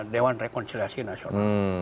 dewan rekonsiliasi nasional